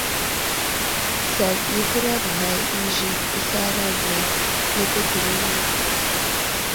Slal i huraɗ ghay i Zik teslara bəra lefetenene.